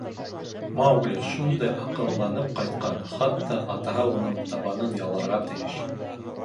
Маугли шундай аҡылланып ҡайтҡан, хатта атаһы уның табанын яларға тейеш.